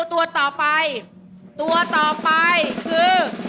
ตัวต่อไปตัวต่อไปคือ